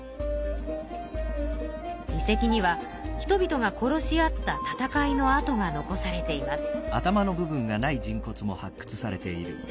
遺跡には人々が殺し合った戦いのあとが残されています。